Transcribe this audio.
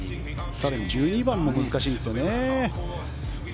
更に１２番も難しいですよね。